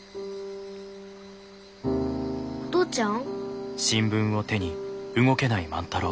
お父ちゃん？